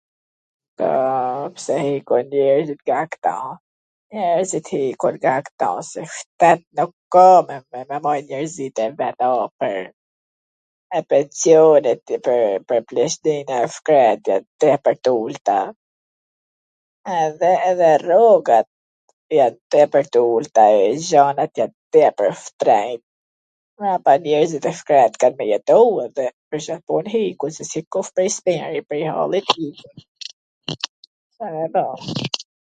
Oooo, pse ikun njerzit nga ktu? Njerzit ikun nga ktu se shtet nuk ka me nimu njerzit e vet, po pwr pwr pencionet, pwr pleqnin e shkret jan tepwr tw ulta edhe edhe rrogat jan tepwr tw ulta e gjanat jan tepwr shtrenjt, mirpo njerzit e shkret kan me jetu, edhe pwr Ca pun ikun, se s ik kush prej shpie, prej hallit hikin. Ca me ba!